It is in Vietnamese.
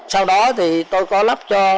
sau đó thì tôi có lắp cho